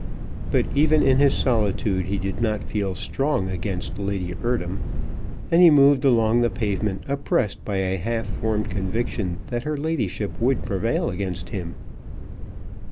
But, even in his solitude, he did not feel strong against Lady Eardham, and he moved along the pavement oppressed by a half formed conviction that her ladyship would prevail against him.